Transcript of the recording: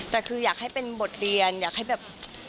แต่คืออยากให้เป็นบทเรียนอยากให้แบบ